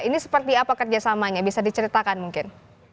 ini seperti apa kerjasamanya bisa diceritakan mungkin